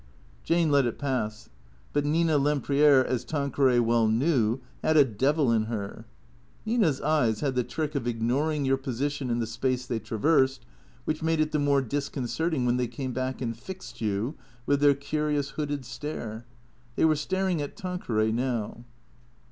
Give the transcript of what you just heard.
Jane let it pass. But Nina Lempriere, as Tanqueray well knew, had a devil in her, Nina's eyes had the trick of ignor ing your position in the space they traversed, which made it the more disconcerting when they came back and tixed you with their curious, hooded stare. They were staring at Tanqueray now.